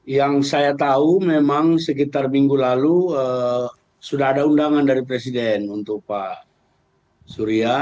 yang saya tahu memang sekitar minggu lalu sudah ada undangan dari presiden untuk pak surya